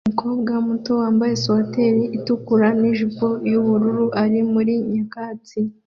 Umukobwa muto wambaye swater itukura nijipo yubururu ari muri nyakatsi